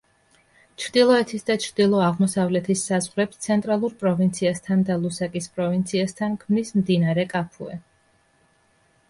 ჩრდილოეთის და ჩრდილო-აღმოსავლეთის საზღვრებს ცენტრალურ პროვინციასთან და ლუსაკის პროვინციასთან ქმნის მდინარე კაფუე.